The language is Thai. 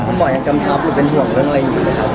หมอยังกำชับหรือเป็นห่วงเรื่องอะไรอยู่ไหมครับ